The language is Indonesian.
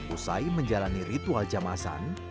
usai menjalani ritual jamasan